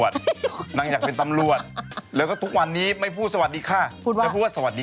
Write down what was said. จริงเหรอแล้วคุณให้ตัดไหมบ๊วย